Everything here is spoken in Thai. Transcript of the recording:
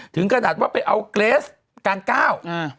ถึงกระดับว่าไปเอาเกรสการก้าว